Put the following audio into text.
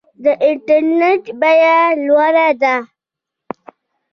د انټرنیټ بیه لوړه ده؟